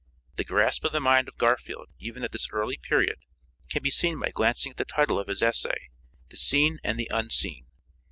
The grasp of the mind of Garfield, even at this early period, can be seen by glancing at the title of his essay, "The Seen and the Unseen."